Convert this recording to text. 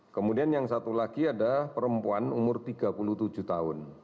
kemudian yang satu lagi ada perempuan umur tiga puluh tujuh tahun